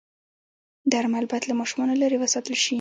درمل باید له ماشومانو لرې وساتل شي.